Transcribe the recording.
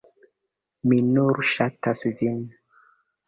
Mi nur ŝatas vin!